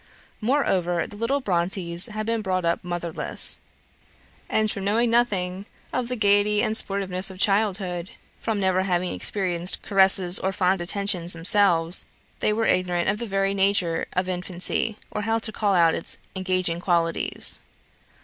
Moreover, the little Brontes had been brought up motherless; and from knowing nothing of the gaiety and the sportiveness of childhood from never having experienced caresses or fond attentions themselves they were ignorant of the very nature of infancy, or how to call out its engaging qualities.